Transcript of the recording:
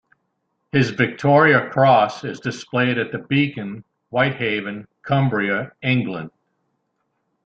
His Victoria Cross is displayed at The Beacon, Whitehaven, Cumbria, England.